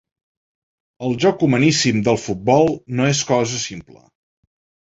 El joc humaníssim del futbol no és cosa simple.